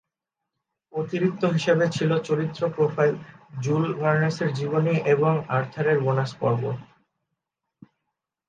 অতিরিক্ত হিসেবে ছিল চরিত্র প্রোফাইল, জুলস ভার্নের জীবনী এবং আর্থারের বোনাস পর্ব!